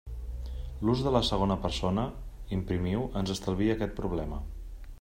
L'ús de la segona persona, imprimiu, ens estalvia aquest problema.